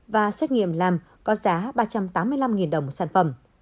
và xét nghiệm làm có giá ba trăm tám mươi năm đồng sản phẩm